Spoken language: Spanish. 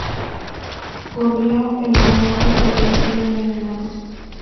Corrió el rumor de que había sido envenenado.